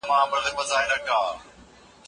د فیل کیسه په کلي کې مشهوره سوه.